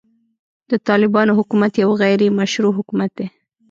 د طالبانو حکومت يو غيري مشروع حکومت دی.